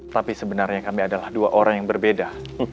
tapi sebenarnya kami adalah dua orang yang berbeda